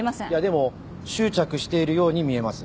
でも執着しているように見えます。